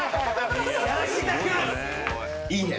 いいね。